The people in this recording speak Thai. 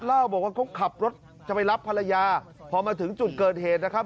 เล่าบอกว่าเขาขับรถจะไปรับภรรยาพอมาถึงจุดเกิดเหตุนะครับ